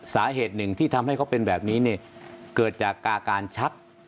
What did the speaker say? สาเหตุหนึ่งที่ทำให้เขาเป็นแบบนี้เกิดจากอาการชัก